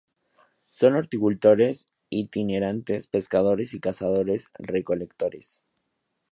Son horticultores itinerantes, pescadores y cazadores-recolectores.